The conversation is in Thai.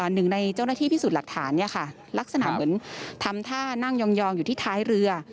หนึ่งในเจ้าหน้าที่พิสูจน์หลักฐานเนี่ยค่ะลักษณะเหมือนทำท่านั่งยองอยู่ที่ท้ายเรือ